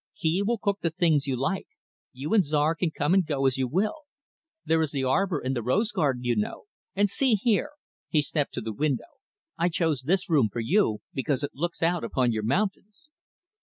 Kee will cook the things you like. You and Czar can come and go as you will. There is the arbor in the rose garden, you know, and see here" he stepped to the window "I chose this room for you, because it looks out upon your mountains."